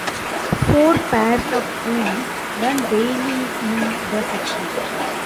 Four pairs of trains ran daily in the section.